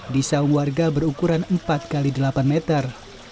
di sawah warga berukuran empat x delapan meter